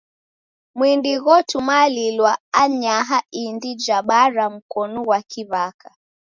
Mwindi ghotumalilwa anyaha indi ja bara mkonu ghwa kiw'aka.